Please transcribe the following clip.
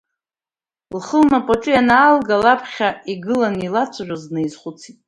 Лхы лнапаҿы ианаалга, лаԥхьа игыланы илацәажәоз днаизхәыцит…